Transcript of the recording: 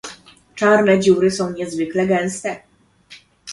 Czarne dziury są niezwykle gęste.